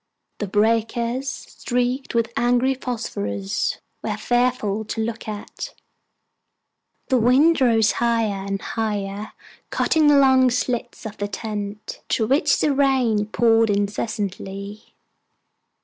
The breakers, streaked with angry phosphorus, were fearful to look at. The wind rose higher and higher, cutting long slits in the tent, through which the rain poured incessantly.